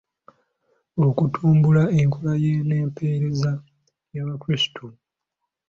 Okutumbula enkola n'empeereza y'abakurisitu.